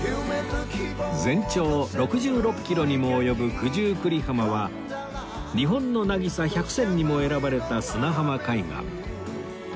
全長６６キロにも及ぶ九十九里浜は日本の渚・百選にも選ばれた砂浜海岸